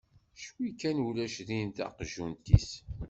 Cwi kan ulac din taqjunt-is.